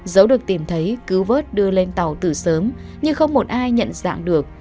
giấu được tìm thấy cứu vớt đưa lên tàu từ sớm nhưng không một ai nhận dạng được